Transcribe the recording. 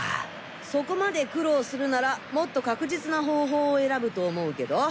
そこまで苦労するならもっと確実な方法を選ぶと思うけど。